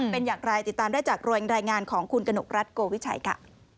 เป็นอย่างไรติดตามได้จากรายงานของคุณกนกรัฐโกวิชัยค่ะ